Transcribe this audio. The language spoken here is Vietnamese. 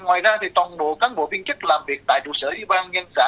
ngoài ra toàn bộ các bộ viên chức làm việc tại trụ sở y ban nguyên xã